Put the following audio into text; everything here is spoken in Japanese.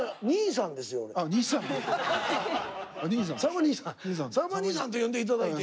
「さんま兄さん」と呼んで頂いて。